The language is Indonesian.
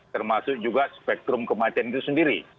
termasuk juga spektrum kematian itu sendiri